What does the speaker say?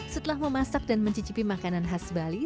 setelah memasak dan mencicipi makanan khas bali